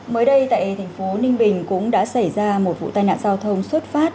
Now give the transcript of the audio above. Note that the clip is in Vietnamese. mới đây tại tp ninh bình cũng đã xảy ra một vụ tai nạn giao thông xuất phát